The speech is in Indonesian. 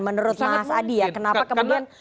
menurut mas adi ya kenapa kemudian